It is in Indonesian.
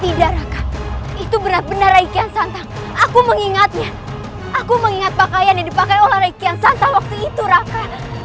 tidak raka itu benar benar aikian santai aku mengingatnya aku mengingat pakaian yang dipakai oleh aikian santai waktu itu raka